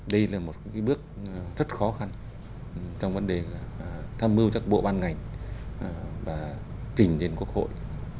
đây là một bước rất khó khăn trong vấn đề tham mưu cho các bộ ban ngành và trình đến quốc hội